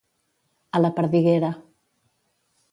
A la perdiguera.